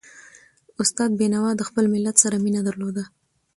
استاد بينوا د خپل ملت سره مینه درلوده.